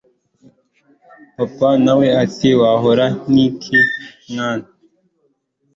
papa nawe ati wahora niki mwana